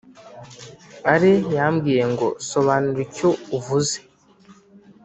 ale yambwiye ngo sobanura icyo uvuze